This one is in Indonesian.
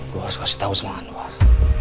gua harus kasih tau semua anwar